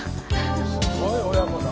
すごい親子だな。